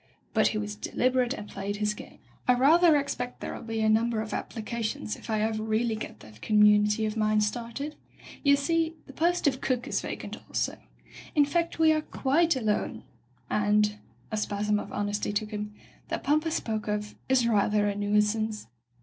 But he was deliber ate and played his game. "I ratfier expect there'll be a number of applications if I ever really get that commu nity of mine started. You see — the post of cook is vacant also. In fact, we are quite alone — and," a spasm of honesty took him, "that pump I spoke of is rather a nuisance.